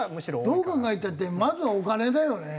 どう考えたってまずはお金だよね。